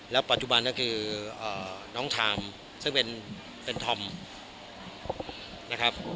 แล้วปัจจุบันก็คือน้องถามซึ่งเป็นเป็นนะครับ